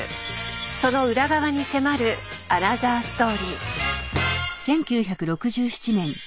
その裏側に迫るアナザーストーリー。